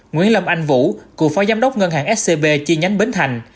nguyễn lâm anh vũ cựu phó giám đốc ngân hàng scb chi nhánh bến thành